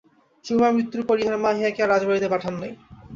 সুরমার মৃত্যুর পর ইহার মা ইহাকে আর রাজবাড়িতে পাঠান নাই।